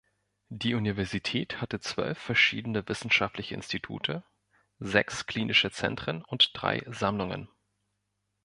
Die Universität hatte zwölf verschiedene wissenschaftliche Institute, sechs klinische Zentren und drei Sammlungen.